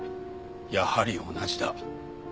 やはり同じだ。